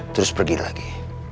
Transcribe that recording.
terus pergi lagi